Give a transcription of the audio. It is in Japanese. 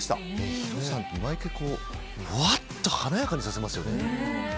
ヒロさんって毎回わっと華やかにさせますよね。